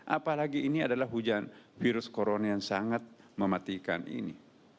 apalagi ini adalah hujan virus corona yang sangat mematikan ini